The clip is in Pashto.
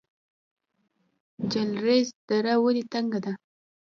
جلریز دره ولې تنګه ده؟